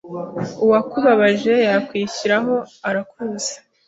Uwakubabaje yakwishyiriraho arakuzi